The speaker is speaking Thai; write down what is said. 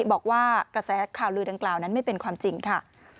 บอกว่ากระแสข่าวลือดังกล่าวนั้นไม่เป็นความจริงค่ะ